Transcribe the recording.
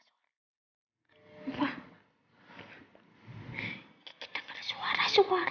cepet banget orang buat zeol bingkas